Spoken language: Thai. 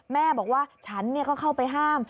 แม่บอกว่าฉันก็เข้าไปห้าม